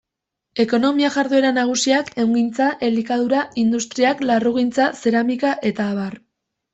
Ekonomia jarduera nagusiak: ehungintza, elikadura industriak, larrugintza, zeramika, eta abar.